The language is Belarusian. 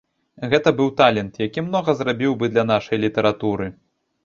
Гэта быў талент, які многа зрабіў бы для нашай літаратуры.